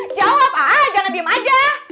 jawab aja jangan diem aja